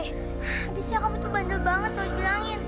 habisnya kamu tuh bandel banget kalau dibilangin